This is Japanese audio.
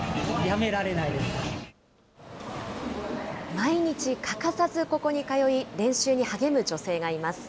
毎日欠かさずここに通い、練習に励む女性がいます。